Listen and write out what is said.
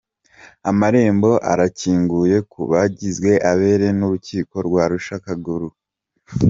Amarembo arakinguye ku bagizwe abere n’Urukiko rw’Arusha Karugarama